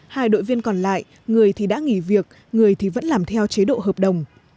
hai đội viên còn lại người thì đã nghỉ việc người thì vẫn làm theo chế độ hợp đồng